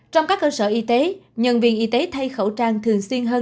trong các cơ sở y tế nhân viên y tế thay khẩu trang thường xuyên hơn